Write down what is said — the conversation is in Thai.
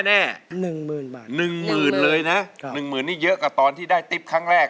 หนึ่งหมื่นบาทหนึ่งหมื่นเลยนะหนึ่งหมื่นนี่เยอะกว่าตอนที่ได้ติ๊บครั้งแรก